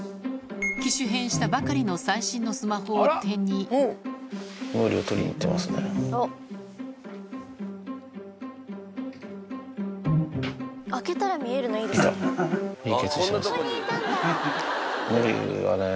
機種変したばかりの最新のスマホを手に開けたら見えるのいいですよね。